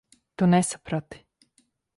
Tu nesaprati.